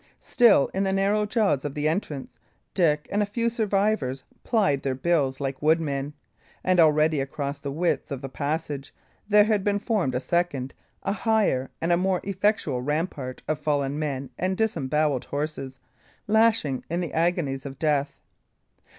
Still, in the narrow jaws of the entrance, Dick and a few survivors plied their bills like woodmen; and already, across the width of the passage, there had been formed a second, a higher, and a more effectual rampart of fallen men and disembowelled horses, lashing in the agonies of death.